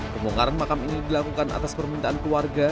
pembongkaran makam ini dilakukan atas permintaan keluarga